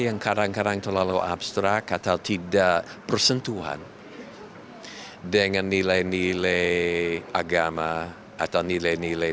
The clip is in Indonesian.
yang kadang kadang terlalu abstrak atau tidak persentuhan dengan nilai nilai agama atau nilai nilai